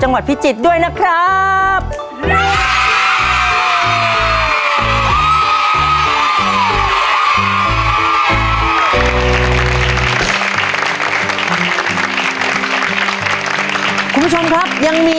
ทางโรงเรียนยังได้จัดซื้อหม้อหุงข้าวขนาด๑๐ลิตร